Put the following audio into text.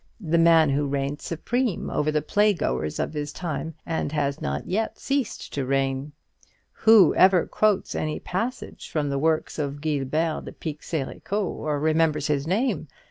the man who reigned supreme over the playgoers of his time, and has not yet ceased to reign. Who ever quotes any passage from the works of Guilbert de Pixérécourt, or remembers his name?